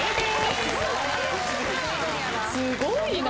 すごいな。